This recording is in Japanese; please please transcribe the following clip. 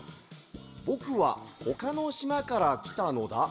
「ぼくはほかのしまからきたのダ。